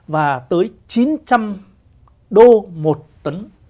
và tới chín trăm linh đô một tấn